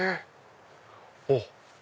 あっ